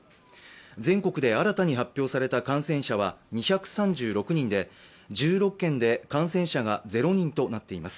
全国で新たに発表された感染者は２３６人で１６県で感染者が０人となっています。